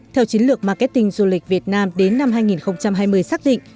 theo chiến lược marketing du lịch việt nam đến năm hai nghìn hai mươi xác định